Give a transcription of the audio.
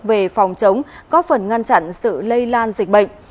về phòng chống góp phần ngăn chặn sự lây lan dịch bệnh